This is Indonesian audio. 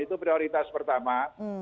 itu prioritas pertama